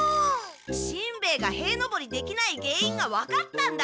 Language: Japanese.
しんべヱが塀のぼりできない原因がわかったんだ！